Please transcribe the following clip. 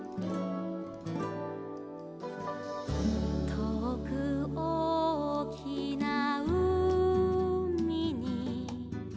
「とおくおおきなうみに」